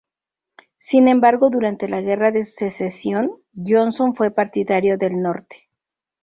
Sin embargo, durante la Guerra de Secesión, Johnson fue partidario del norte.